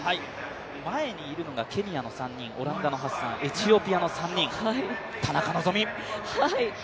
前にいるのがケニアの３人、オランダのハッサンエチオピアの３人、田中希実。